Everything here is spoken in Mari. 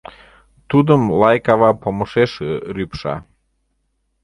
Тудым лай кава помышеш рӱпша.